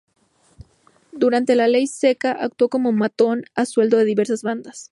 Durante la ley seca actuó como matón a sueldo de diversas bandas.